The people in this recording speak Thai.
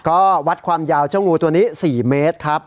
ก็วัดความยาวเจ้างูตัวนี้๔เมตรครับ